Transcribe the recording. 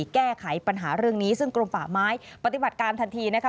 แก้ไขปัญหาเรื่องนี้ซึ่งกรมป่าไม้ปฏิบัติการทันทีนะคะ